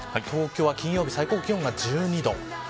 東京は金曜日最高気温が１２度。